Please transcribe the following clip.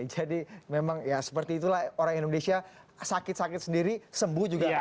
jadi memang ya seperti itulah orang indonesia sakit sakit sendiri sembuh juga